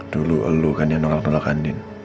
dulu elu kan yang nolak nolakkanin